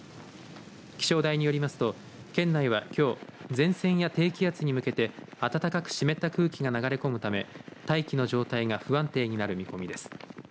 気象台によりますと県内はきょう前線や低気圧に向けて暖かく湿った空気が流れ込むため大気の状態が不安定になる見込みです。